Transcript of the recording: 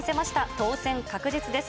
当選確実です。